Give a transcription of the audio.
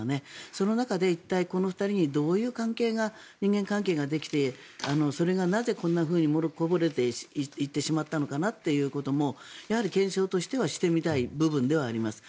その中で、一体この２人にどういう人間関係ができてそれが、なぜこんなふうに漏れこぼれていってしまったのかもやはり検証としてはしてみたい部分ではあります。